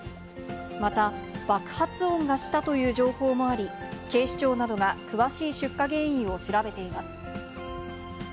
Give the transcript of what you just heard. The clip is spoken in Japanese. また爆発音がしたという情報もあり、警視庁などが詳しい出火原因を調べています。